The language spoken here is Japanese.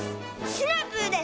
シナプーです！